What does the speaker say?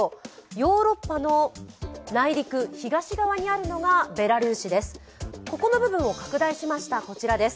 ヨーロッパの内陸東側にあるのがベラルーシです。